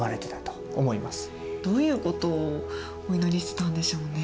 どういうことをお祈りしてたんでしょうね。